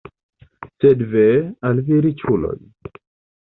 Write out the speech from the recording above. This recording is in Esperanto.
Sed ve al vi riĉuloj!